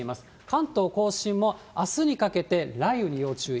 関東甲信もあすにかけて雷雨に要注意。